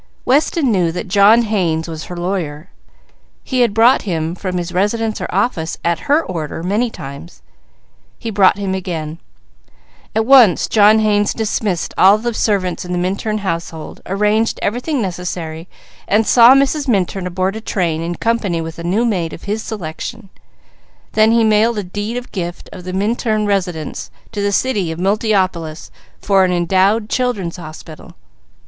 Weston knew that John Haynes was her lawyer; he had brought him from his residence or office at her order many times; he brought him again. At once John Haynes dismissed all the servants in the Minturn household, arranged everything necessary, and saw Mrs. Minturn aboard a train in company with a new maid of his selection; then he mailed a deed of gift of the Minturn residence to the city of Multiopolis for an endowed Children's Hospital.